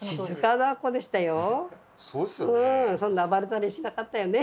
そんな暴れたりしなかったよね。